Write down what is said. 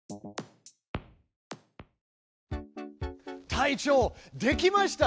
隊長できました。